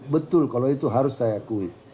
betul kalau itu harus saya akui